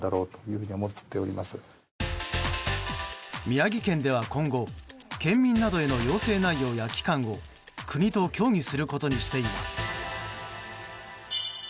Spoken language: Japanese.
宮城県では今後県民などへの要請内容や期間を国と協議することにしています。